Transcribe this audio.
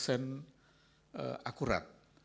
jadi memang sudah seratus akurat